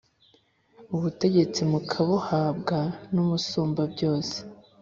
ubutegetsi mukabuhabwa n’Umusumbabyose,